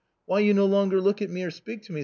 " Why you no longer look at me or speak to me !